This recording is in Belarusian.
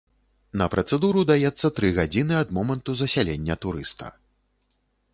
На працэдуру даецца тры гадзіны ад моманту засялення турыста.